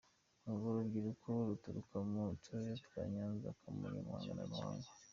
Urwo rubyiruko ruturuka mu turere twa Nyanza, Kamonyi, Muhanga na Ruhango.